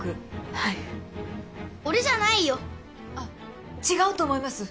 はい俺じゃないよあっ違うと思います